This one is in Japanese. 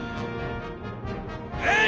えい！